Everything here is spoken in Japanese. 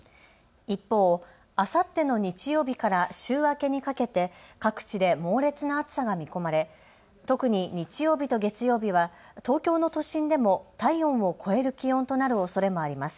一方、あさっての日曜日から週明けにかけて各地で猛烈な暑さが見込まれ特に日曜日と月曜日は東京の都心でも体温を超える気温となるおそれもあります。